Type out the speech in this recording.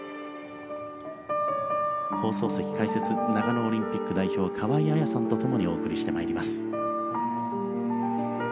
放送席解説長野オリンピック代表河井彩さんと共にお送りしてまいります。